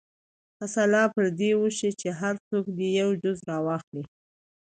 که سلا پر دې وشي چې هر څوک دې یو جز راواخلي.